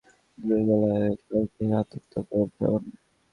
ক্ষোভে-দুঃখে মঙ্গলবার নানির ঘরে গিয়ে গলায় ফাঁস দিয়ে আত্মহত্যা করে শ্রাবণী।